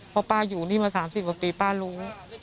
พอป้าอยู่นี่มา๓๐ปีป้ารู้